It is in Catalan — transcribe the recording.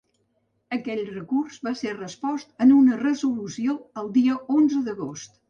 Aquell recurs va ser respost en una resolució el dia onze d’agost.